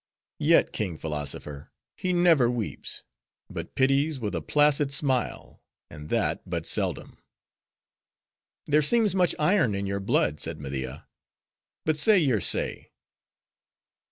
Yet king philosopher, he never weeps; but pities with a placid smile; and that but seldom." "There seems much iron in your blood," said Media. "But say your say."